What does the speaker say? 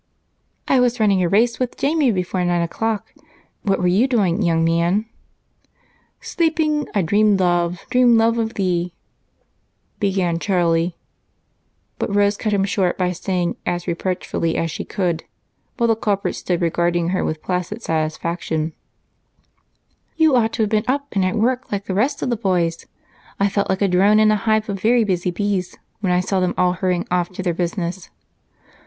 "I was running a race with Jamie before nine o'clock. What were you doing, young man?" "'Sleeping I dreamed, love, dreamed, love, of thee,'" began Charlie, but Rose cut him short by saying as reproachfully as she could, while the culprit stood regarding her with placid satisfaction: "You ought to have been up and at work like the rest of the boys. I felt like a drone in a hive of very busy bees when I saw them all hurrying off to their business."